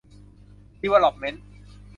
ดีเวลลอปเม้นท์